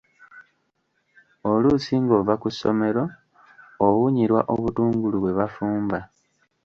Oluusi ng'ova ku ssomero, owunyirwa obutungulu bwe bafumba.